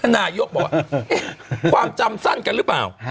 นายกบอกว่าความจำสั้นกันหรือเปล่า